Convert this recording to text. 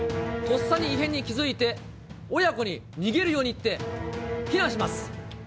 とっさに異変に気付いて、母娘に逃げるように言って、避難します。